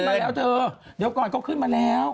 มันก็ขึ้นมาเนี้ยเธอเดี๋ยวก่อนเขาขึ้นมาแล้ว